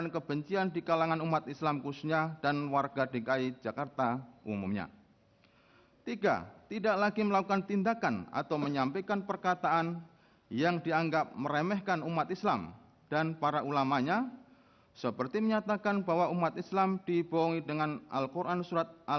kepulauan seribu kepulauan seribu